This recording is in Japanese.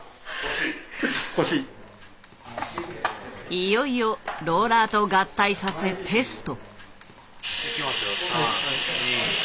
いよいよローラーと合体させテスト。